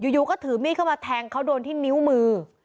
อยู่ก็ถือมีดเข้ามาแทงเขาโดนที่นิ้วมือ